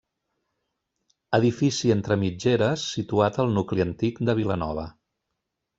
Edifici entre mitgeres situat al nucli antic de Vilanova.